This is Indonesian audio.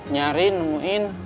nyari nemuin terus kembaliin dom